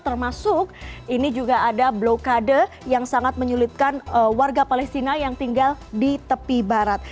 termasuk ini juga ada blokade yang sangat menyulitkan warga palestina yang tinggal di tepi barat